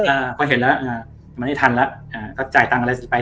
อ่าก็เห็นแล้วอ่ามันไม่ทันแล้วอ่าก็จ่ายตังค์อะไรสิไป